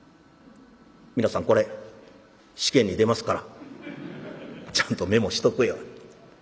皆さんこれ試験に出ますからちゃんとメモしとくように。